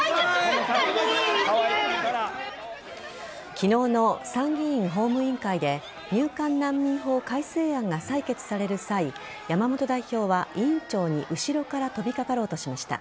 昨日の参議院法務委員会で入管難民法改正案が採決される際山本代表は委員長に後ろから飛びかかろうとしました。